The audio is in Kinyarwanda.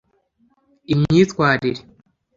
imyitwarire